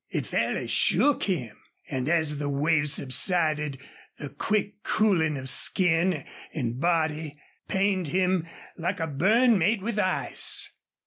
It fairly shook him. And as the wave subsided the quick cooling of skin and body pained him like a burn made with ice.